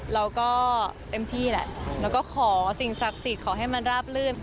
เราก็เต็มที่แหละแล้วก็ขอสิ่งศักดิ์สิทธิ์ขอให้มันราบลื่น